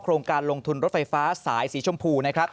โครงการลงทุนรถไฟฟ้าสายสีชมพู